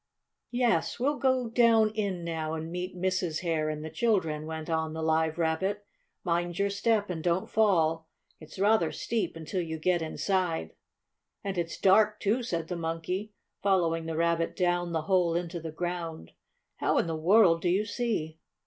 "Yes, we'll go down in now, and meet Mrs. Hare and the children," went on the Live Rabbit. "Mind your step, and don't fall. It's rather steep until you get inside." "And it's dark, too," said the Monkey, following the Rabbit down the hole into the ground. "How in the world do you see?"